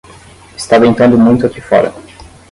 Está ventando muito aqui fora.